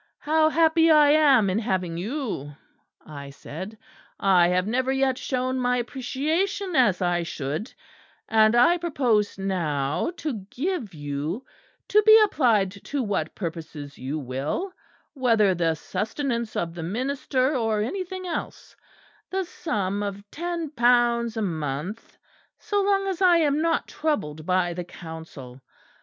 How happy I am in having you!' I said, 'I have never yet shown my appreciation as I should: and I propose now to give you, to be applied to what purposes you will, whether the sustenance of the minister or anything else, the sum of ten pounds a month; so long as I am not troubled by the Council.